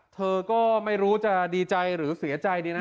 เธอก็ไม่รู้จะดีใจหรือเสียใจดีนะ